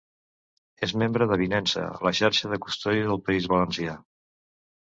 És membre d'Avinença, la xarxa de custòdia del País Valencià.